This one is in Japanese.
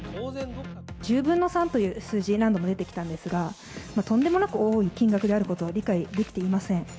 １０分の３という数字、何度も出てきたんですが、とんでもなく多い金額であることは理解できていません。